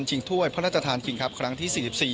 ถ้วยพระราชทานคิงครับครั้งที่๔๔